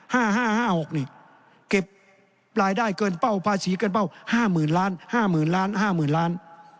ห้าห้าห้าหกนี่เก็บรายได้เกินเป้าภาษีเกินเป้าห้าหมื่นล้านห้าหมื่นล้านห้าหมื่นล้าน